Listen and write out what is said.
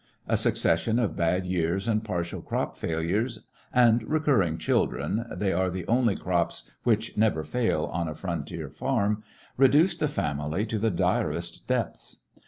A succession of bad years and partial crop fail ures, and recurring children— they are the only crops which never fail on a frontier farm— re duced the family to the direst depths.